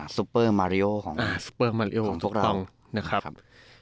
ซุปเปอร์มาริโอของทุกครับ